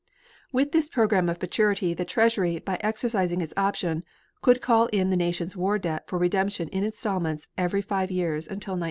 With this program of maturity, the Treasury by exercising its option could call in the nation's war debt for redemption in installments every five years until 1947.